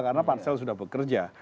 karena pansel sudah bekerja